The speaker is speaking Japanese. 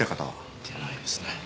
見てないですね。